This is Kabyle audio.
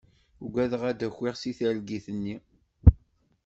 Uggadeɣ ad d-akiɣ seg targit-nni.